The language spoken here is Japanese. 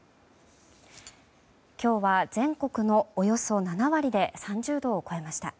今日は全国のおよそ７割で３０度を超えました。